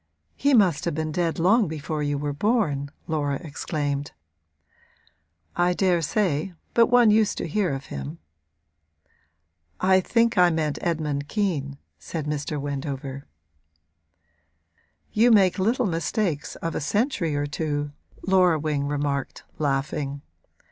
'He must have been dead long before you were born!' Laura exclaimed. 'I daresay; but one used to hear of him.' 'I think I meant Edmund Kean,' said Mr. Wendover. 'You make little mistakes of a century or two,' Laura Wing remarked, laughing.